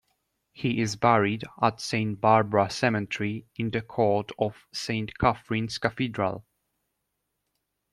He is buried at Saint Barbara cemetery in the court of Saint Catherine's Cathedral.